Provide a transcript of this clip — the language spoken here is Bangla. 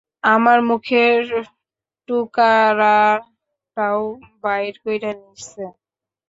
আমার মুখের টুকারাটাও, বাইর কইরা নিসে।